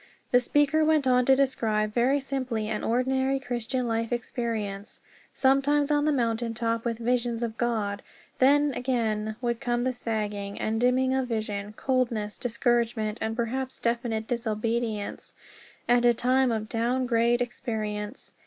The speaker went on to describe very simply an ordinary Christian life experience sometimes on the mountain top, with visions of God; then again would come the sagging, and dimming of vision, coldness, discouragement, and perhaps definite disobedience and a time of down grade experience.